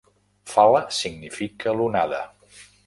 "Fala" significa "l'onada".